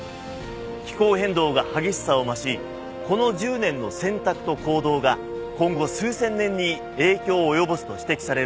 気候変動が激しさを増しこの１０年の選択と行動が今後数千年に影響を及ぼすと指摘される